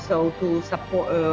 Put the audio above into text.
dan juga untuk mendukung